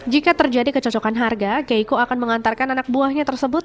jika terjadi kecocokan harga keiko akan mengantarkan anak buahnya tersebut